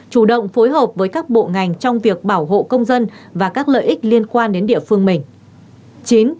chủ động phối hợp với các bộ ngành trong việc bảo hộ công dân và các lợi ích liên quan đến địa phương mình